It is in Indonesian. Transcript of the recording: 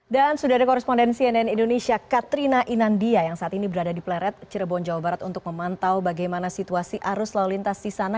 dan sudah ada korespondensi nn indonesia katrina inandia yang saat ini berada di peleret cirebon jawa barat untuk memantau bagaimana situasi arus lalu lintas di sana